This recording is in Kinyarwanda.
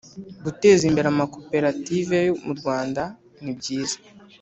guteza imbere Amakoperative yo murwanda nibyiza